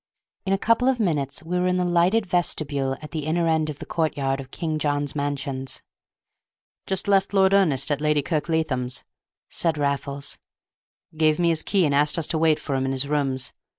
In a couple of minutes we were in the lighted vestibule at the inner end of the courtyard of King John's Mansions. "Just left Lord Ernest at Lady Kirkleatham's," said Raffles. "Gave me his key and asked us to wait for him in his rooms.